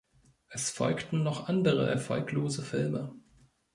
Es folgten noch andere erfolglose Filme.